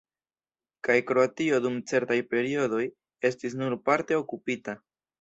Kaj Kroatio dum certaj periodoj estis nur parte okupita.